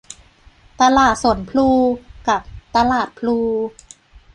ตลาดสวนพลู กับ ตลาดพลู